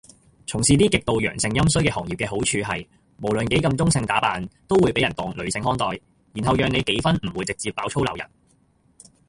從事啲極度陽盛陰衰嘅行業嘅好處係，無論幾咁中性打扮都會被人當女性看待，然後讓你幾分唔會直接爆粗鬧人